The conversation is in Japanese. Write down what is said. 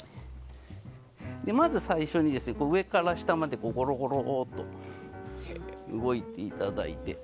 まず最初に、上から下までゴロゴロっと動いていただいて。